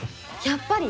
やっぱり。